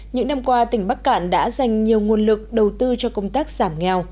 những năm qua tỉnh bắc cạn đã dành nhiều nguồn lực đầu tư cho công tác giảm nghèo